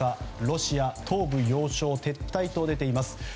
ロシア、東部要衝撤退と出ています。